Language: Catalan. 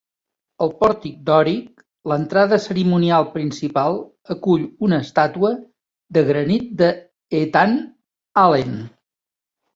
El pòrtic dòric, l'entrada cerimonial principal, acull una estàtua de granit d'Ethan Allen.